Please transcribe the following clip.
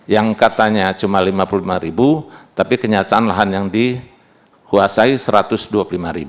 yang katanya cuma rp lima puluh lima ribu tapi kenyataan lahan yang dikuasai rp satu ratus dua puluh lima